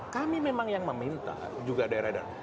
kami memang yang meminta juga daerah daerah